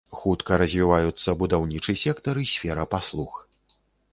Хутка развіваюцца будаўнічы сектар і сфера паслуг.